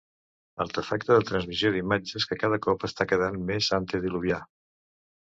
Artefacte de transmissió d'imatges que cada cop està quedant més antediluvià.